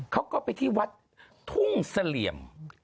เขาก็ไปที่วัดทุ่งเสลี่ยม